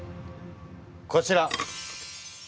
こちら！